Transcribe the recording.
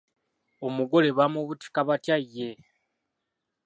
Omugole bamubutika batya ye?